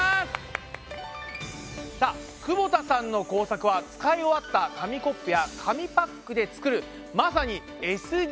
さあ久保田さんの工作は使い終わった紙コップや紙パックで作るまさにＳＤＧｓ！